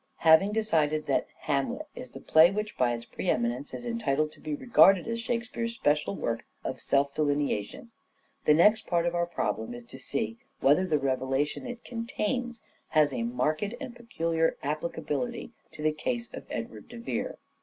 Having decided that " Hamlet " is the play which, DC Vere as by its pre eminence, is entitled to be regarded as Hamlet " Shakespeare's " special work of self delineation, the next part of our problem is to see whether the revelation it contains has a marked and peculiar applicability to the case of Edward de Vere.